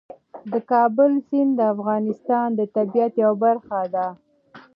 د کابل سیند د افغانستان د طبیعت یوه برخه ده.